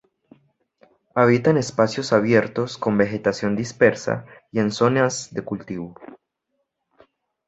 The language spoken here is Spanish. Habita en espacios abiertos con vegetación dispersa, y en zonas de cultivo.